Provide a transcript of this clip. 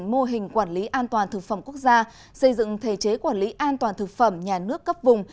mô hình quản lý an toàn thực phẩm quốc gia xây dựng thể chế quản lý an toàn thực phẩm nhà nước cấp vùng